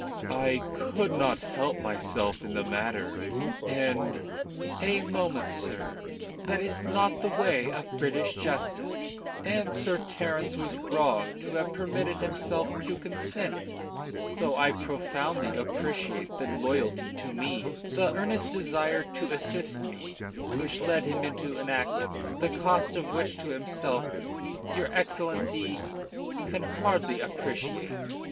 "I could not help myself in the matter, and " "A moment, sir. That is not the way of British justice, and Sir Terence was wrong to have permitted himself to consent; though I profoundly appreciate the loyalty to me, the earnest desire to assist me, which led him into an act the cost of which to himself your Excellency can hardly appreciate.